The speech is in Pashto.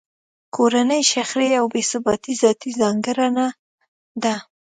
کورنۍ شخړې او بې ثباتۍ ذاتي ځانګړنه ده.